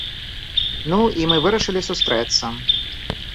Ну, і мы вырашылі сустрэцца.